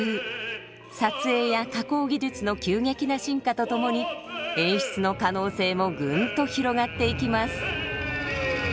撮影や加工技術の急激な進化とともに演出の可能性もぐんと広がっていきます。